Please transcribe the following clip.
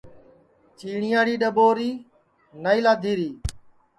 چیٹِؔیاڑی ڈؔٻوری نائی لادھی ری